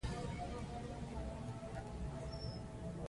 که باران ونه شي ستونزې زیاتېږي.